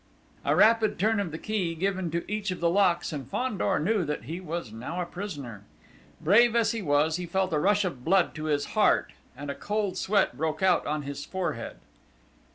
A rapid turn of the key given to each of the locks and Fandor knew that he was now a prisoner! Brave as he was, he felt a rush of blood to his heart and a cold sweat broke out on his forehead.